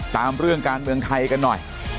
ตามเรื่องการเมืองไทยกันหน่อย